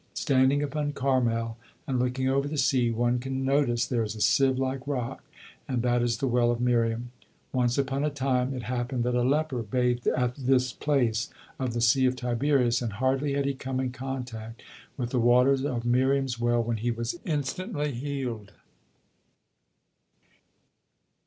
Standing upon Carmel, and looking over the sea, one can notice there a sieve like rock, and that is the well of Miriam. Once upon a time it happened that a leper bathed at this place of the Sea of Tiberias, and hardly had he come in contact with the waters of Miriam's well when he was instantly healed.